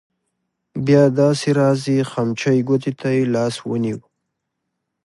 بیا داسې راځې خمچۍ ګوتې ته يې لاس ونیو.